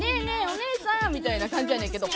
おねえさんみたいな感じやねんけど。